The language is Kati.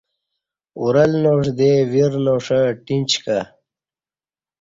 اورل ناݜ دے ورناݜہ ٹیݩچ کہ